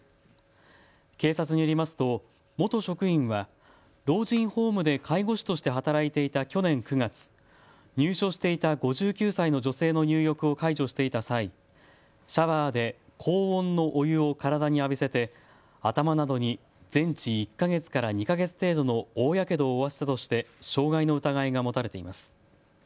警察によりますと元職員は老人ホームで介護士として働いていた去年９月、入所していた５９歳の女性の入浴を介助していた際、シャワーで高温のお湯を体に浴びせて頭などに全治１か月から２か月程度の大やけどを負わせたとして傷害の疑いが持たれています。